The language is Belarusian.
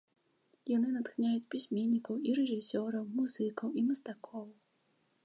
Яны натхняюць пісьменнікаў і рэжысёраў, музыкаў і мастакоў.